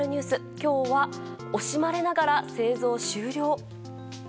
今日は惜しまれながら製造終了。